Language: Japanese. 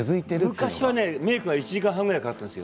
昔はメークに１時間半ぐらいかかったんですよ。